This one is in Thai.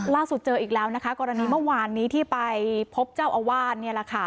ล่าสุดเจออีกแล้วนะคะกรณีเมื่อวานนี้ที่ไปพบเจ้าอาวาสนี่แหละค่ะ